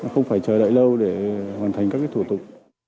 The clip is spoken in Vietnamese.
không phải chờ đợi lâu để hoàn thành các thủ tục